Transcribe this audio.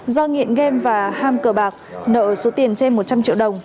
do nghiện game và ham cờ bạc nợ số tiền trên một trăm linh triệu đồng